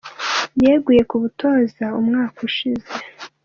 Yeguye ku butoza mu mwaka ushize.